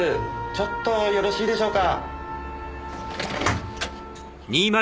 ちょっとよろしいでしょうか。